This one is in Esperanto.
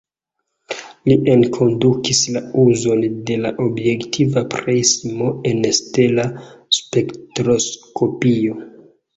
Li enkondukis la uzon de la objektiva prismo en stela spektroskopio.